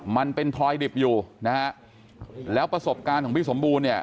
มันเป็นพลอยดิบอยู่นะฮะแล้วประสบการณ์ของพี่สมบูรณ์เนี่ย